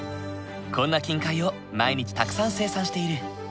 こんな金塊を毎日たくさん生産している。